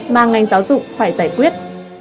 mà ngành giáo dục phải giải quyết